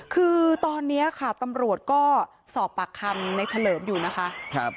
คือตอนนี้ค่ะตำรวจก็สอบปากคำในเฉลิมอยู่นะคะ